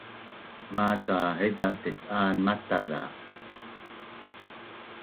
Maca haiza tec’an mataz za